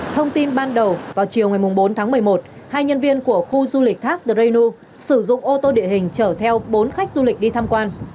thông tin ban đầu vào chiều ngày bốn tháng một mươi một hai nhân viên của khu du lịch thác rênu sử dụng ô tô địa hình chở theo bốn khách du lịch đi tham quan